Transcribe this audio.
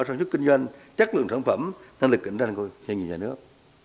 sản xuất kinh doanh chất lượng sản phẩm năng lực kinh doanh của doanh nghiệp nhà nước